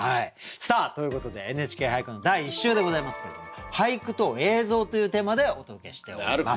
さあということで「ＮＨＫ俳句」の第１週でございますけれども「俳句と映像」というテーマでお届けしております。